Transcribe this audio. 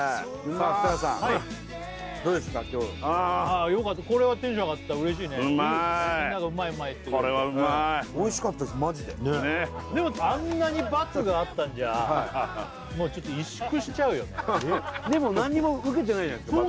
マジでねっでもあんなに罰があったんじゃちょっと萎縮しちゃうよねでも何も受けてないじゃないですか